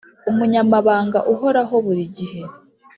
Umunyamabanga uhoraho buri gihe